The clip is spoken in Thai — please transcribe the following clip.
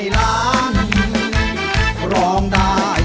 อย่าพูดคำว่าดอกเฉย